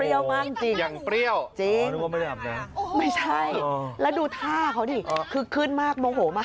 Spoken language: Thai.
จริงอย่างเปรี้ยวจริงไม่ใช่แล้วดูท่าเขาดิคือขึ้นมากโมโหมาก